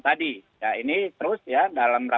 terima kasih nusa tugh